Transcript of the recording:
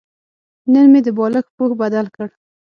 نن مې د بالښت پوښ بدل کړ.